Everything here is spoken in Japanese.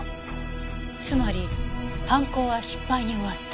つまり犯行は失敗に終わった。